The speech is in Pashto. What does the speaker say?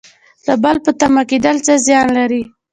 د بل په تمه کیدل څه زیان لري؟